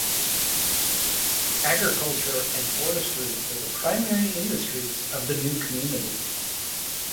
Agriculture and forestry were the primary industries of the new community.